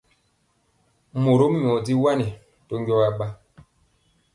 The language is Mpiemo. Morom nyɔ di wani to njɔɔ aɓa.